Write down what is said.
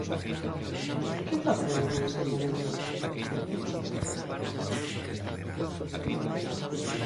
¿Que facemos nese momento?